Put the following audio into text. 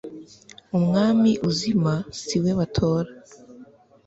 umwami uzima siwe batora